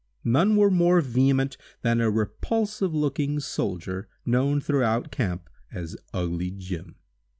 None were more vehement than a repulsive looking soldier, known throughout camp as "ugly Jim!"